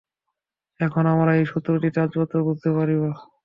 এখন আমরা এই সূত্রটির তাৎপর্য বুঝিতে পারিব।